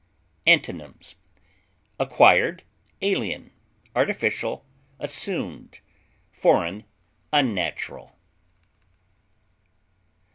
Antonyms: acquired, alien, artificial, assumed, foreign, unnatural.